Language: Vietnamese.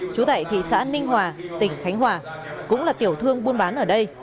trú tại thị xã ninh hòa tỉnh khánh hòa cũng là tiểu thương buôn bán ở đây